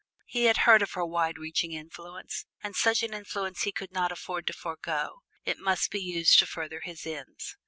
He had heard of her wide reaching influence, and such an influence he could not afford to forego it must be used to further his ends.